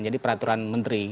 jadi peraturan menteri